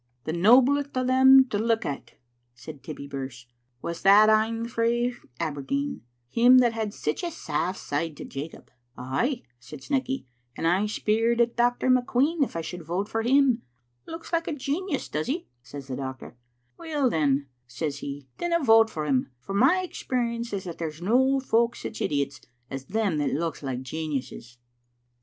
" "The noblest o* them to look at," said Tibbie Birse, " was that ane frae Aberdeen, him that had sic a saft side to Jacob." "Ay," said Snecky, "and I speired at Dr. McQueen if I should vote for him. * Looks like a genius, does Digitized by VjOOQ IC 96 xrbc Xittle Afnf0tet» he?' says the Doctor. *Weel, then,' says he, *dinna vote for him, for my experience is that there's no folk sic idiots as them that looks like geniuses.'"